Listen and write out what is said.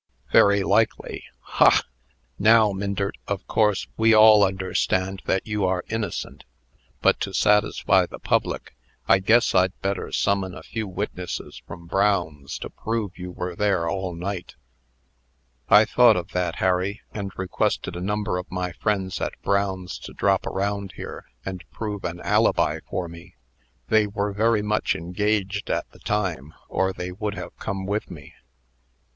"Very likely. Ha! Now, Myndert, of course we all understand that you are innocent; but, to satisfy the public, I guess I'd better summon a few witnesses from Brown's, to prove you were there all night." "I thought of that, Harry, and requested a number of my friends at Brown's to drop around here, and prove an alibi for me. They were very much engaged at the time, or they would have come with me."